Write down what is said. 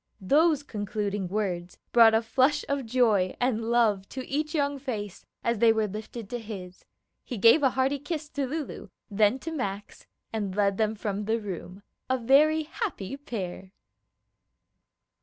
Those concluding words brought a flush of joy and love to each young face as they were lifted to his. He gave a hearty kiss to Lulu, then to Max, and led them from the room, a very happy pair.